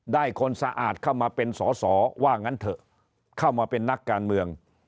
คนสะอาดเข้ามาเป็นสอสอว่างั้นเถอะเข้ามาเป็นนักการเมือง